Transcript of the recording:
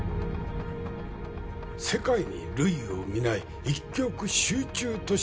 世界に類を見ない一極集中都市